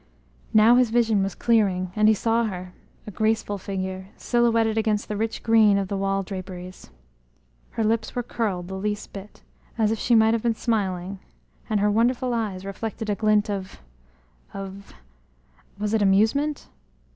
Now his vision was clearing, and he saw her, a graceful figure, silhouetted against the rich green of the wall draperies. Her lips were curled the least bit, as if she might have been smiling, and her wonderful eyes reflected a glint of of was it amusement?